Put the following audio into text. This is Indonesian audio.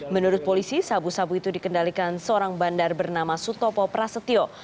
menurut polisi sabu sabu itu dikendalikan seorang bandar bernama sutopo prasetyo